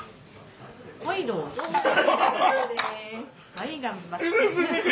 はい頑張って。